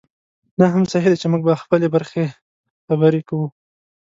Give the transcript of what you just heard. دا هم صحي ده چې موږ به د خپلې برخې خبره کوو.